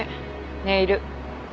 ネイル。